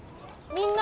みんな！